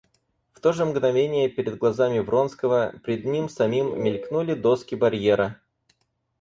В то же мгновение пред глазами Вронского, пред ним самим, мелькнули доски барьера.